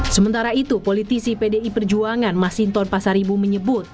sementara itu politisi pdi perjuangan masinton pasaribu menyebut